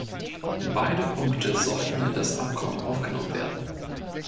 Beide Punkte sollten in das Abkommen aufgenommen werden.